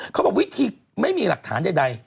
เขาบอกวิธีไม่มีหลักฐานใด